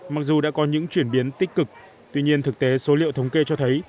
mặc dù đã có những chuyển biến tích cực tuy nhiên thực tế số liệu thống kê cho thấy